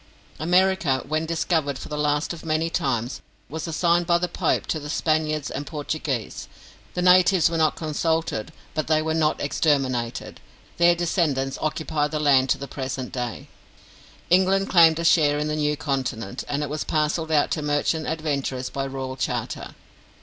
America, when discovered for the last of many times, was assigned by the Pope to the Spaniards and Portuguese. The natives were not consulted; but they were not exterminated; their descendants occupy the land to the present day. England claimed a share in the new continent, and it was parcelled out to merchant adventurers by royal charter.